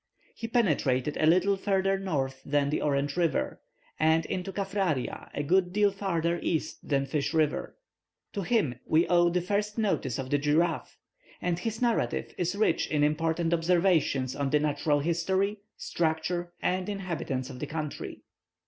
He penetrated a little further north than the Orange River, and into Kaffraria a good deal further east than Fish River. To him we owe the first notice of the giraffe; and his narrative is rich in important observations on the natural history, structure, and inhabitants of the country.